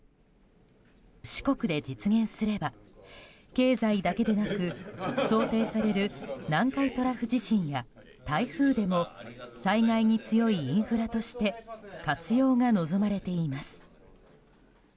四国で実現すれば経済だけでなく想定される南海トラフ地震や台風でも災害に強いインフラとして活用が望まれています。